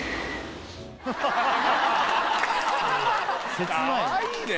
切ないな。